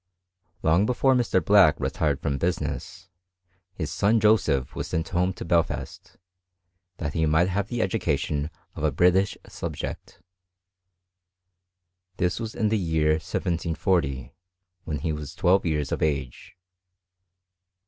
Long before Mr. Black retired from business, his son Joseph was sent home to Belfast, that he might have the education of a British subject. This was in the year 1740, when he was twelve years of age.